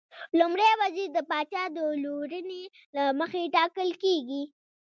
لومړی وزیر د پاچا د لورینې له مخې ټاکل کېږي.